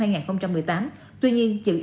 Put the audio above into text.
tuy nhiên dự án tiếp tục bị treo đến nay